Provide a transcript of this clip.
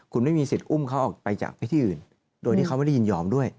คุณไม่มีสิทธิอุ้มเขาออกไปจากพื้นที่อื่นโดยที่เขาไม่ได้ยินยอมด้วย